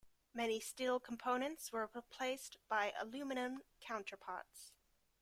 Many steel components were replaced by aluminium counterparts.